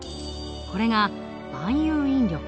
これが万有引力。